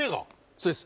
そうです。